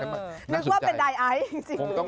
มีความรู้สึกว่าเป็นไดไอศ์จริง